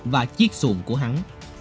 và chiếc xuồng của hắn